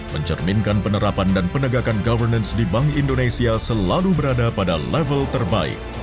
mencerminkan penerapan dan penegakan governance di bank indonesia selalu berada pada level terbaik